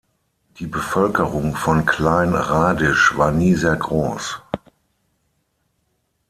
Die Bevölkerung von Klein-Radisch war nie sehr groß.